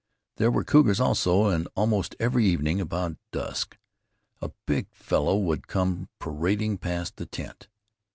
There were cougars also, and almost every evening, about dusk, a big fellow would come parading past the tent.